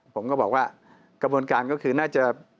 ผมก็บอกว่ากระบวนการณ์ก็คือน่าจะเป็นไปตามระเบียบ